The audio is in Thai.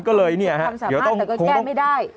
ก็เลยนี่ครับเดี๋ยวต้องจะทำสามารถแต่ก็แก้ไม่ได้